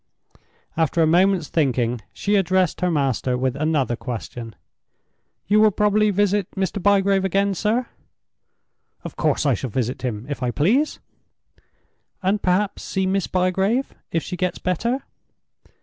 After a moment's thinking, she addressed her master with another question: "You will probably visit Mr. Bygrave again, sir?" "Of course I shall visit him—if I please." "And perhaps see Miss Bygrave, if she gets better?"